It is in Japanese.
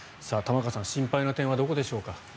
玉川さん心配な点はどこでしょうか。